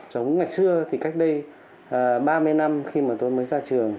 sống ngày xưa thì cách đây ba mươi năm khi mà tôi mới ra trường